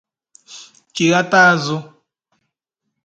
chighata azụ